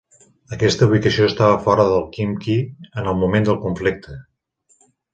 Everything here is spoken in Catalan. Aquesta ubicació estava fora de Khimki en el moment del conflicte.